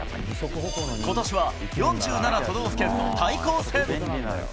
ことしは４７都道府県の対抗戦。